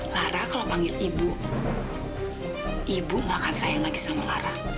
lara kalau manggil ibu ibu gak akan sayang lagi sama lara